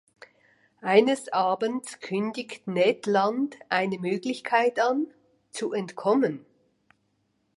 Eines Abends kündigt Ned Land eine Möglichkeit an, zu entkommen.